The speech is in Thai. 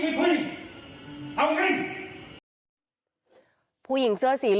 เจ้าหน้าที่สารคุมตัวฝากหังเอาไว้ที่สารคุมตัวฝากหังเอาไว้ที่สาร